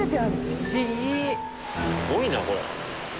すごいなこれ。